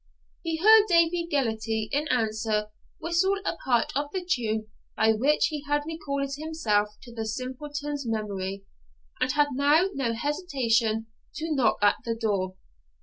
He heard Davie Gellatley in answer whistle a part of the tune by which he had recalled himself to the simpleton's memory, and had now no hesitation to knock at the door.